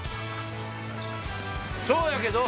そうやけど。